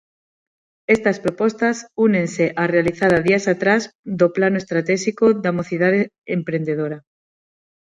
Estas propostas únense á realizada días atrás do Plano Estratéxico da Mocidade Emprendedora.